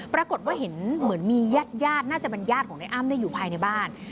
ประสบความเหมือนเหมือนมีญาติน่าจะมันญาติของอั้มอยู่ภายในบ้าน